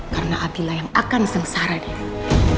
karena abi lah yang akan sengsara dirimu